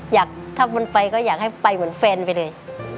อยากถ้ามันไปก็อยากให้ไปเหมือนแฟนไปเลย